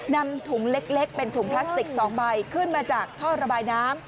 นำถุงเล็กเป็นถุงพลาสติก๒ใบขึ้นมาจากท่อระบายน้ำ